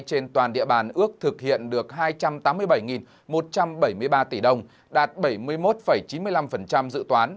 trên toàn địa bàn ước thực hiện được hai trăm tám mươi bảy một trăm bảy mươi ba tỷ đồng đạt bảy mươi một chín mươi năm dự toán